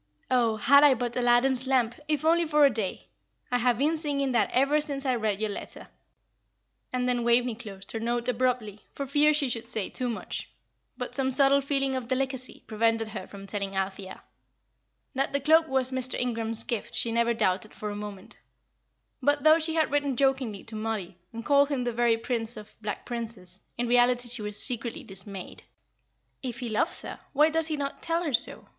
'Oh, had I but Aladdin's lamp, if only for a day!' I have been singing that ever since I read your letter." And then Waveney closed her note abruptly, for fear she should say too much; but some subtle feeling of delicacy prevented her from telling Althea. That the cloak was Mr. Ingram's gift she never doubted for a moment; but though she had written jokingly to Mollie, and called him the very Prince of Black Princes, in reality she was secretly dismayed. "If he loves her, why does he not tell her so?"